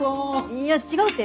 いや違うって！